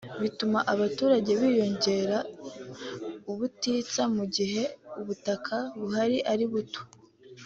bituma abaturage biyongera ubutitsa mu gihe ubutaka buhari ari buto